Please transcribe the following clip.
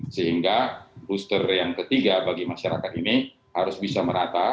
sehingga booster yang ketiga bagi masyarakat ini harus bisa merata